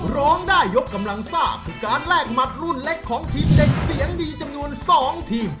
ร้องได้ยกกำลังซ่าคือการแลกหมัดรุ่นเล็กของทีมเด็กเสียงดีจำนวน๒ทีม